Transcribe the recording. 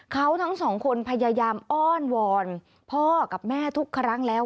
เขาทั้งสองคนพยายามอ้อนวอนพ่อกับแม่ทุกครั้งแล้ว